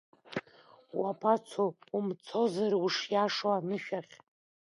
Уабацо, умцозар ушиашоу анышә ахь!